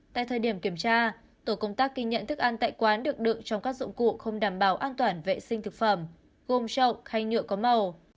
tại thời điểm kiểm tra tổ công tác ghi nhận thức ăn tại quán được đựng trong các dụng cụ không đảm bảo an toàn vệ sinh thực phẩm gồm trậu hay nhựa có màu